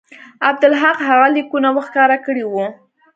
عبدالحق هغه لیکونه ورښکاره کړي وو.